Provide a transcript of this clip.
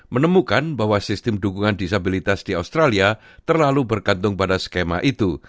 menemukan bahwa sistem dukungan disabilitas di australia terlalu bergantung pada skema itu